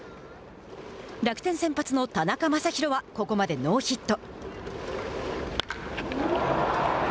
楽天先発の田中将大はここまでノーヒット。